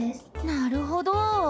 なるほど。